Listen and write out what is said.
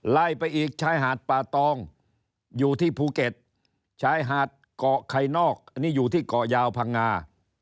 ไล่ไปอีกชายหาดป่าตองอยู่ที่ภูเก็ตชายหาดเกาะไข่นอกอันนี้อยู่ที่เกาะยาวพังงา